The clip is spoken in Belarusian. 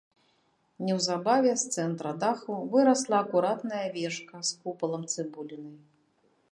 Неўзабаве з цэнтра даху вырасла акуратная вежка з купалам-цыбулінай.